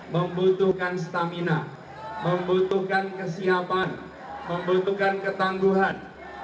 membutuhkan stamina membutuhkan kesiapan membutuhkan ketangguhan